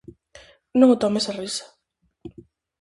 Non o tomes a risa.